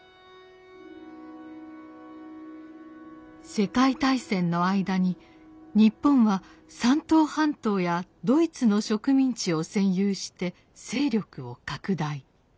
世界大戦の間に日本は山東半島やドイツの植民地を占有して勢力を拡大。